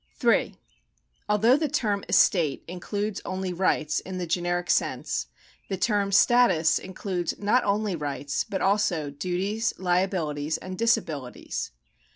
3. Although the term estate includes only rights (in the generic sense), the term status includes not only rights, but also duties, liabilities, and disabilities.